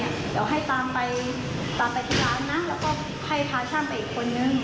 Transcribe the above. เดี๋ยวให้ตามไปตามไปที่ร้านนะแล้วก็ให้พาช่างไปอีกคนนึง